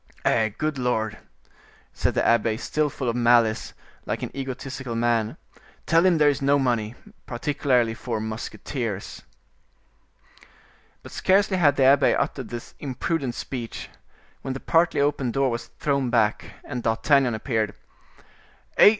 "Eh! good Lord!" said the abbe, still full of malice, like an egotistical man; "tell him there is no money, particularly for musketeers." But scarcely had the abbe uttered this imprudent speech, when the partly open door was thrown back, and D'Artagnan appeared. "Eh!